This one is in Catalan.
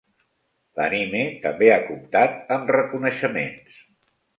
L'anime també ha comptat amb reconeixements.